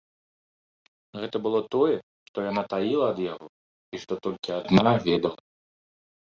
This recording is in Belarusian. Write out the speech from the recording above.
Гэта было тое, што яна таіла ад яго і што толькі адна ведала.